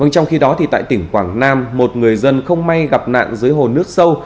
trong khi đó tại tỉnh quảng nam một người dân không may gặp nạn dưới hồ nước sâu